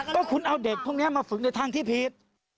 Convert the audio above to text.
ก็คุณเอาเด็กพวกนี้มาฝึกในทางที่ผิด